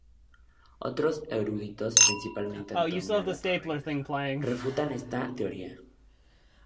Otros eruditos, principalmente Antonio Alatorre, refutan esta teoría.